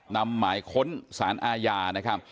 นำหมายค้นสารอาญานะครับ